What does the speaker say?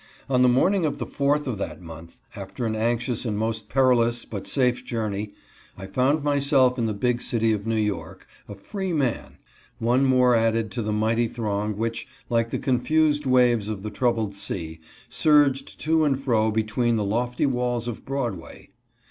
On the morning of the 4th of that montnTafter an anxious and most perilous but safe journey, I found myself in the big city of New York, a free man ; one more added to the mighty throng which, like the con fused waves of the troubled sea, surged to and fro between the lofty walls of Broadway.